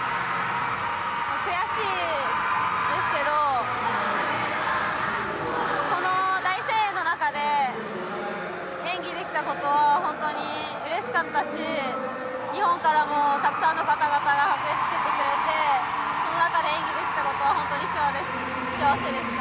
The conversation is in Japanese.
悔しいですけどこの大声援の中で演技できたことは本当にうれしかったし日本からもたくさんの方々が駆けつけてくれてその中で演技できたことは本当に幸せでした。